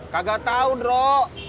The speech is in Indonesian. kagak tau drok